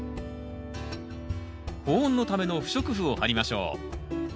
保温のための不織布を張りましょう。